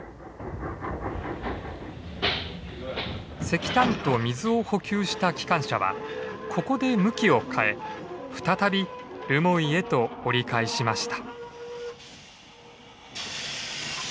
石炭と水を補給した機関車はここで向きを変え再び留萌へと折り返しました。